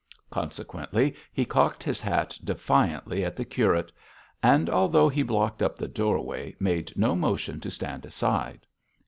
Consequently he cocked his hat defiantly at the curate; and although he blocked up the doorway, made no motion to stand aside.